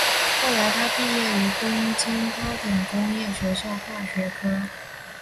后来他毕业于东京高等工业学校化学科。